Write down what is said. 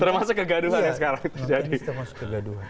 termasuk kegaduhan yang sekarang terjadi